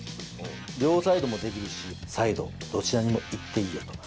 両サイドもできるし、サイド、どちらにも行っていいよと。